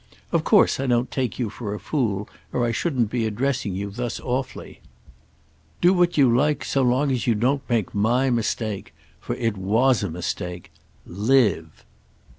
Of course I don't take you for a fool, or I shouldn't be addressing you thus awfully. Do what you like so long as you don't make my mistake. For it was a mistake. Live!"